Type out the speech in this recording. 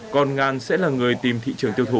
còn ngan sẽ là người tìm thị trường tiêu thụ